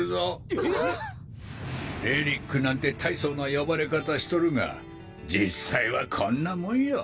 えっ⁉「遺物」なんて大層な呼ばれ方しとるが実際はこんなもんよ。